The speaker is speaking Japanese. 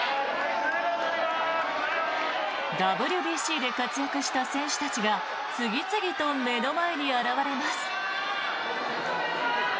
ＷＢＣで活躍した選手たちが次々と目の前に現れます。